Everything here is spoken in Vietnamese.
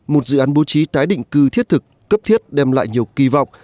một dự án bố trí tái định cư thiết thực cấp thiết đem lại nhiều kỳ vọng